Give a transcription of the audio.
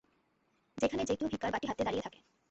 যেখানে যে কেউ ভিক্ষার বাটি হাতে দাঁড়িয়ে থাকে।